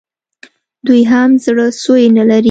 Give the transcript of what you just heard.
دی هم زړه سوی نه لري